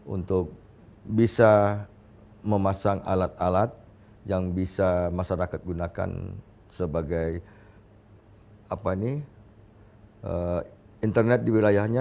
untuk bisa memasang alat alat yang bisa masyarakat gunakan sebagai internet di wilayahnya